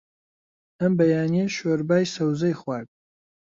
ئەم بەیانییە شۆربای سەوزەی خوارد.